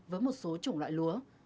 với một số chủng loại lúa